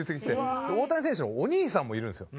大谷選手のお兄さんもいるんですよ。